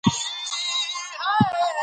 ـ کاروان تېريږي سپي غپيږي.